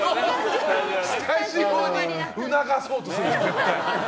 スタジオに促そうとする、絶対。